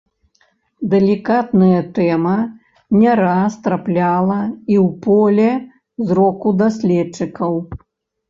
Далікатная тэма не раз трапляла і ў поле зроку даследчыкаў.